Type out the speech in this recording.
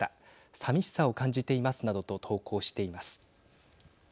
寂しさを感じていますなどと投稿しています。